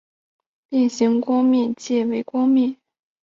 变形光面介为光面介科光面介属下的一个种。